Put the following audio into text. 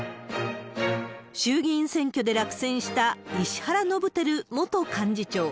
衆議院選挙で落選した石原伸晃元幹事長。